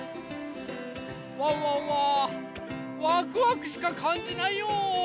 ワンワンはワクワクしかかんじないよ。